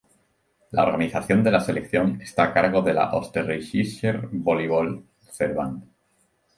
La organización de la selección está a cargo de la Österreichischer Volleyball Verband.